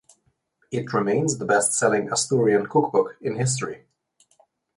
It remains the best selling Asturian cookbook in history.